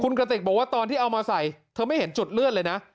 คุณกระติกบอกว่าตอนที่เอามาใส่เธอไม่เห็นจุดเลื่อนเลยนะ